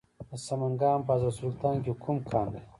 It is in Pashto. د سمنګان په حضرت سلطان کې کوم کان دی؟